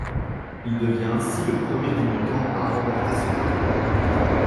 Il devient ainsi le premier débutant à remporter ce prix.